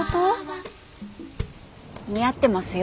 似合ってますよ。